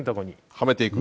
はめていく？